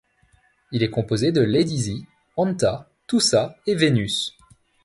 Il est composé de Lady Zee, Anta, Toussa, et Vénus.